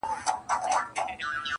سوی یم ایره سوم پروانې را پسي مه ګوره -